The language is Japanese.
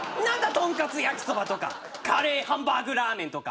トンカツ焼きそばとかカレーハンバーグラーメンとか。